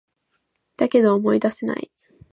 だけど、思い出せない